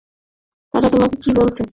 তারা তোমাকে কী বলেছে?